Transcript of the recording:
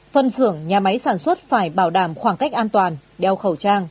phân xưởng nhà máy sản xuất phải bảo đảm khoảng cách an toàn đeo khẩu trang